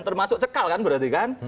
termasuk cekal kan berarti kan